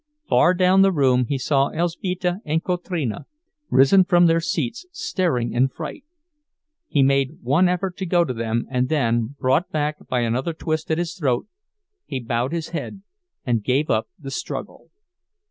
Far down the room he saw Elzbieta and Kotrina, risen from their seats, staring in fright; he made one effort to go to them, and then, brought back by another twist at his throat, he bowed his head and gave up the struggle.